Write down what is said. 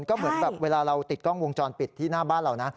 ก็เหมือนแบบเวลาเราติดกล้องวงจรปิดที่หน้าบ้านเรานะ